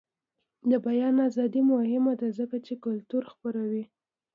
د بیان ازادي مهمه ده ځکه چې کلتور خپروي.